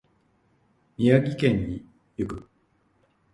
宮城県に行く。